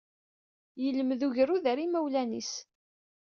Yelmed ugrud ɣer yimawlan-is.